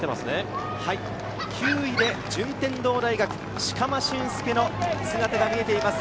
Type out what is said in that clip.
９位で順天堂大学・四釜峻佑の姿が見えています。